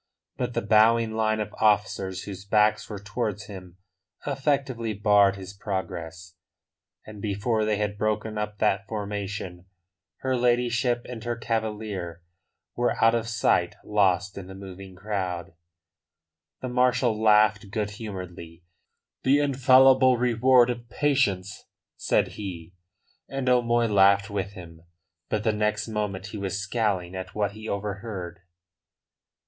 But the bowing line of officers whose backs were towards him effectively barred his progress, and before they had broken up that formation her ladyship and her cavalier were out of sight, lost in the moving crowd. The marshal laughed good humouredly. "The infallible reward of patience," said he. And O'Moy laughed with him. But the next moment he was scowling at what he overheard.